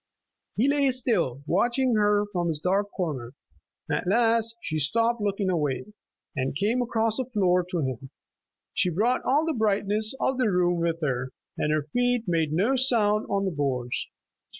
He lay still, watching her from his dark corner. At last she stopped looking away, and came across the floor to him. She brought all the brightness of the room with her, and her feet made no sound on the boards.